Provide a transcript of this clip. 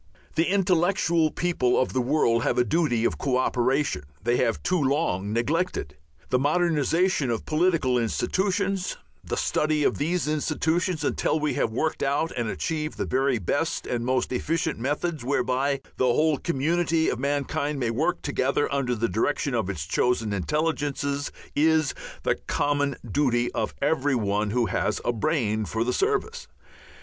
The intellectual people of the world have a duty of co operation they have too long neglected. The modernization of political institutions, the study of these institutions until we have worked out and achieved the very best and most efficient methods whereby the whole community of mankind may work together under the direction of its chosen intelligences, is the common duty of every one who has a brain for the service.